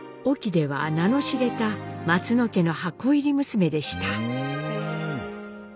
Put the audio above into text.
隠岐では名の知れた松野家の箱入り娘でした。